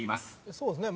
そうですね。